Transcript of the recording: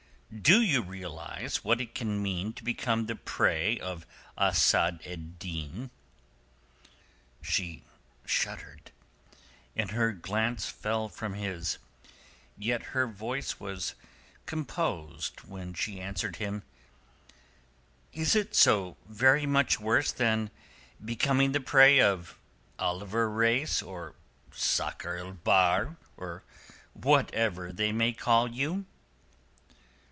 "Do you realize what it can mean to become the prey of Asad ed Din?" She shuddered, and her glance fell from his, yet her voice was composed when she answered him—"Is it so very much worse than becoming the prey of Oliver Reis or Sakr el Bahr, or whatever they may call you?"